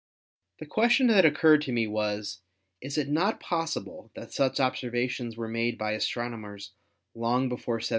"The question that occurred to me was, Is it not pos sible that such observations were made by astronomers long before 1750?